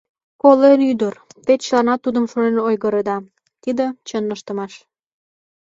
Колен ӱдыр, те чыланат тудым шонен ойгыреда, тиде – чын ыштымаш.